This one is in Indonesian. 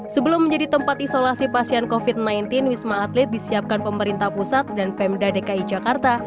sebelum menjadi tempat isolasi pasien covid sembilan belas wisma atlet disiapkan pemerintah pusat dan pemda dki jakarta